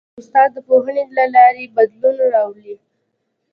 استاد د پوهنې له لارې بدلون راولي.